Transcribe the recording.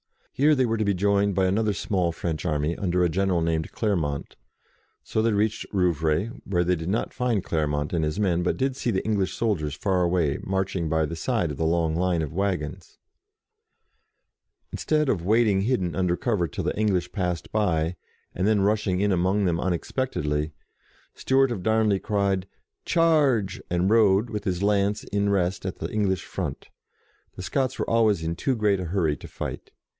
Here they were to be joined by another small French army, under a general named Clermont. So they reached Rou vray, where they did not find Clermont and his men, but did see the English soldiers far away, marching by the side of the long line of waggons. Instead of waiting hidden under cover till the English passed by, and then rush ing among them unexpectedly, Stewart of Darnley cried, " Charge !" and rode, with his lance in rest at the English front. The Scots were always in too great a hurry to fight.